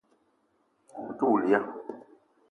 Ou te woul ya?